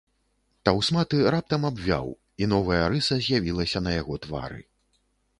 Таўсматы раптам абвяў, і новая рыса з'явілася на яго твары.